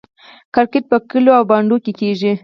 کرکټ په کلیو او بانډو کې کیږي.